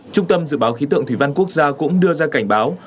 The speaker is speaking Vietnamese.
trung tâm dự báo khí tượng thủy văn quốc gia cũng đưa ra cảnh báo